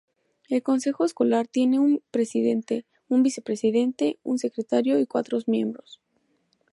El consejo escolar tiene un presidente, un vicepresidente, un secretario, y cuatros miembros.